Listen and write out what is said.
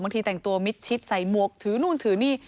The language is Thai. ทีแต่งตัวมิดชิดใส่หมวกถือนู่นถือนี่